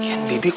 ya udah deh bik